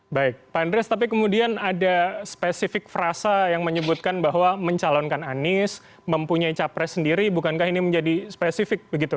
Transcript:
baik pak andreas tapi kemudian ada spesifik frasa yang menyebutkan bahwa mencalonkan anies mempunyai capres sendiri bukankah ini menjadi spesifik begitu